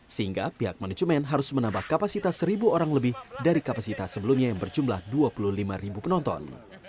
sehingga pihak manajemen harus menambah kapasitas seribu orang lebih dari kapasitas sebelumnya yang berjumlah dua puluh lima ribu penonton